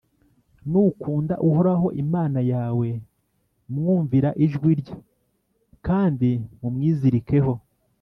nukunda uhoraho imana yawe, mwumvira ijwi rye, kandi mumwizirikeho